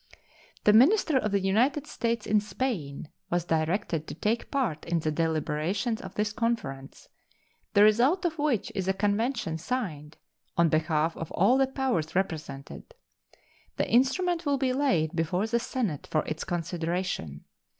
The minister of the United States in Spain was directed to take part in the deliberations of this conference, the result of which is a convention signed on behalf of all the powers represented. The instrument will be laid before the Senate for its consideration.